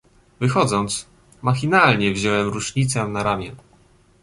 "Wychodząc, machinalnie wziąłem rusznicę na ramię."